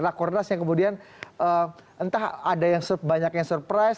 rakornas yang kemudian entah ada yang banyak yang surprise